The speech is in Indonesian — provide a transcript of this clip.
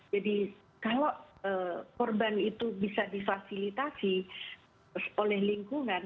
jadi kalau korban itu bisa difasilitasi oleh lingkungan